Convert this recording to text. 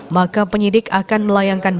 maka penyidik akan melayangkan